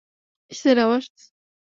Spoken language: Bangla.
সেরা, বস!